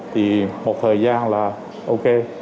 thì một thời gian là ok